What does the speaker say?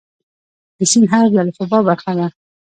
د "س" حرف د الفبا برخه ده.